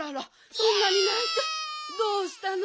そんなにないてどうしたの？